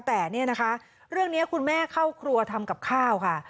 แต่เรื่องนี้คุณแม่เข้าครัวทำกับข้าวค่ะ